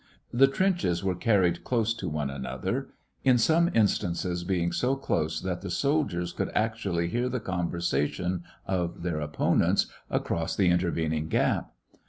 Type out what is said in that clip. The trenches were carried close to one another, in some instances being so close that the soldiers could actually hear the conversation of their opponents across the intervening gap.